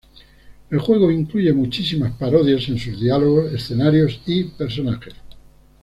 El juego incluye muchísimas parodias en sus diálogos, escenarios y personajes.